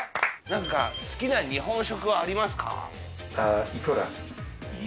なんか好きな日本食はありますか？